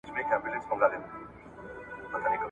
له فرهنګه د خوشحال وي چي هم توره وي هم ډال وي `